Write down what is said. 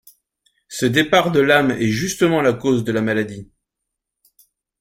Ce départ de l'âme est justement la cause de la maladie.